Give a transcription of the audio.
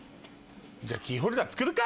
じゃキーホルダー作るか。